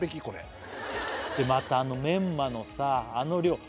これでまたあのメンマのさあの量